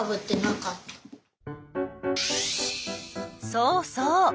そうそう。